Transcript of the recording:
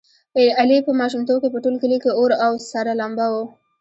علي په ماشومتوب کې په ټول کلي کې اور او سره لمبه و.